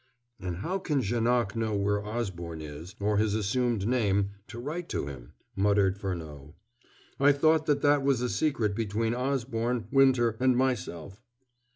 "And how can Janoc know where Osborne is, or his assumed name, to write to him?" muttered Furneaux. "I thought that that was a secret between Osborne, Winter, and myself."